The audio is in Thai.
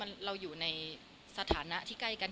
เราอยู่ในสถานะที่ใกล้กัน